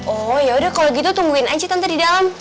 oh yaudah kalau gitu tungguin aci tante di dalam